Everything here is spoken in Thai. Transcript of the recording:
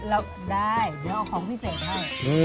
เราได้อย่าเอาของพิเศษมา